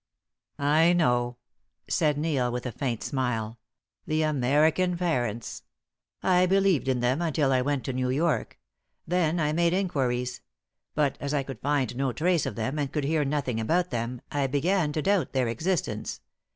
"I know," said Neil, with a faint smile. "The American parents! I believed in them until I went to New York. Then I made enquiries; but as I could find no trace of them, and could hear nothing about them, I began to doubt their existence.